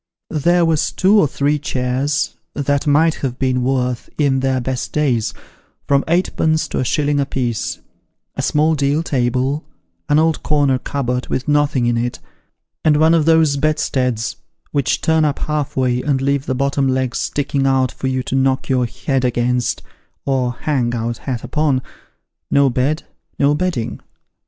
There was two or three chairs, that might have been worth, in their best days, from eightpence to a shilling a piece ; a small deal table, an old corner cupboard with nothing in it, and one of those bed steads which turn up half way, and leave the bottom legs sticking out for you to knock your head against, or hang your hat upon ; no bed, no bedding.